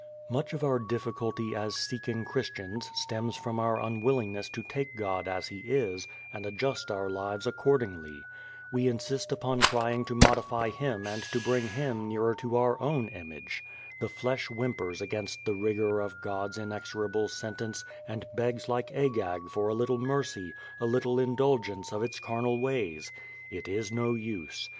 Much of our difficulty as seeking Christians stems from our unwillingness to take God as He is and adjust our lives accordingly. We insist upon trying to modify Him and to bring Him nearer to our own image. The flesh whimpers against the rigor of God's inexorable sentence and begs like Agag for a little mercy, a little indulgence of its carnal ways. It is no use.